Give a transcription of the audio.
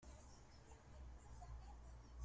Mazal-iyi di Lustṛali.